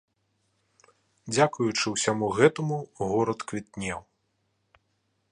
Дзякуючы ўсяму гэтаму горад квітнеў.